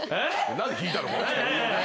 何で引いたの？